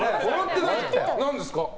何ですか？